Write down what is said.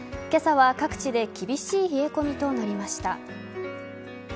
今朝は各地で厳しい冷え込みとなりました。